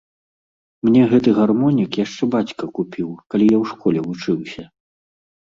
Мне гэты гармонік яшчэ бацька купіў, калі я ў школе вучыўся.